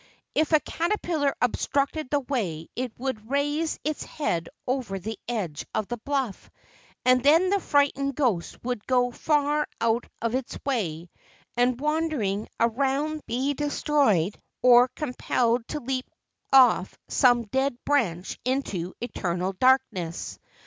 If a caterpillar obstructed the way it would raise its head over the edge of the bluff, and then the frightened ghost would go far out of its way, and wandering around be destroyed or compelled to leap off some dead branch into eternal dark¬ ness.